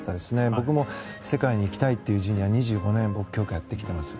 僕も世界に行きたいというジュニアを２５年僕、強化やってきています。